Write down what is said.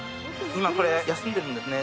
今、これは休んでるんですね。